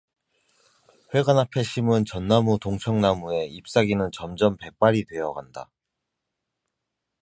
회관 앞에 심은 전나무 동청나무에 잎사귀는 점점 백발이 되어 간다.